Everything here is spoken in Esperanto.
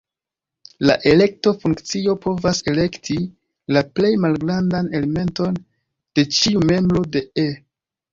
La elekto-funkcio povas elekti la plej malgrandan elementon de ĉiu membro de "E".